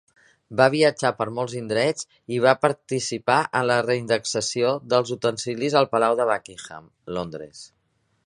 Va viatjar per molts indrets i va participar en la reindexació dels utensilis al palau de Buckingham, Londres.